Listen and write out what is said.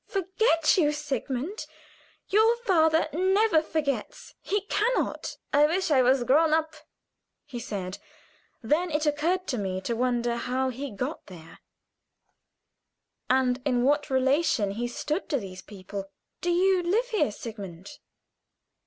"Forget you, Sigmund? Your father never forgets, he can not!" "I wish I was grown up," was all he said. Then it occurred to me to wonder how he got there, and in what relation he stood to these people. "Do you live here, Sigmund?"